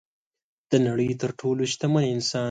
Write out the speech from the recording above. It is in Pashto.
د نړۍ تر ټولو شتمن انسان